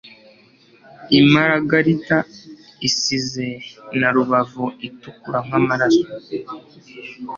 Imaragarita isize na rubavu itukura nkamaraso